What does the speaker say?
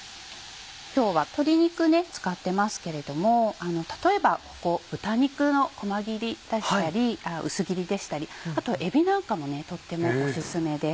今日は鶏肉使ってますけれども例えば豚肉の細切りだったり薄切りでしたりあとはエビなんかもとってもオススメです。